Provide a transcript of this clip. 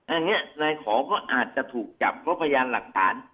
อันนี้นายขอก็อาจจะถูกจับเพราะพยานหลักฐาน